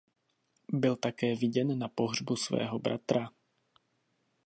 Byl také viděn na pohřbu svého bratra.